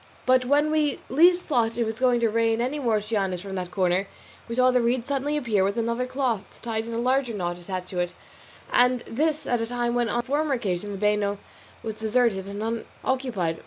But when we least thought it was going to rain any more cianis from that quarter, we saw the reed suddenly appear with another cloth tied in a larger knot attached to it, and this at a time when, as on the former occasion, the bano was deserted and unoccupied.